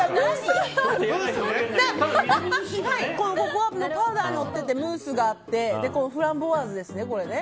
ココアのパウダーがのっててムースがあってフランボワーズですね、これね。